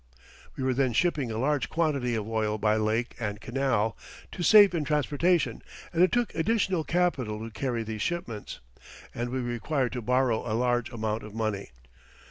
We were then shipping a large quantity of oil by lake and canal, to save in transportation, and it took additional capital to carry these shipments; and we required to borrow a large amount of money.